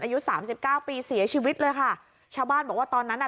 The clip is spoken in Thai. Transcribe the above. อายุสามสิบเก้าปีเสียชีวิตเลยค่ะชาวบ้านบอกว่าตอนนั้นอ่ะ